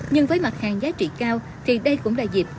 nhưng với mặt hàng giá trị cao thì đây cũng là dịp